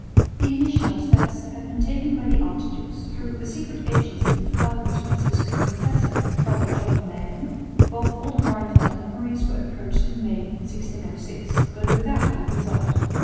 The initial steps had been taken by the archdukes. Through the secret agency of Albert's Franciscan Confessor, Father John Neyen, both Oldenbarneveldt and Maurice were approached in May, 1606, but without any result.